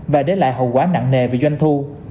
và để lại hậu quả nặng nề về doanh thu